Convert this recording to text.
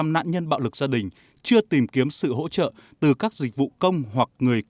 tám mươi bảy nạn nhân bạo lực gia đình chưa tìm kiếm sự hỗ trợ từ các dịch vụ công hoặc người